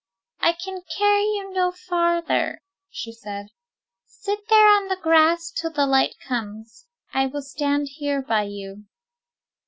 "I can carry you no farther," she said. "Sit there on the grass till the light comes. I will stand here by you."